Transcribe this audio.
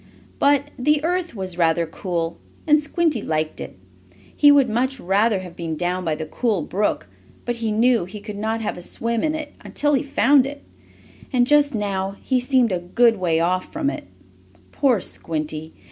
But the earth was rather cool, and Squinty liked it. He would much rather have been down by the cool brook, but he knew he could not have a swim in it until he found it. And, just now, he seemed a good way off from it. Poor Squinty!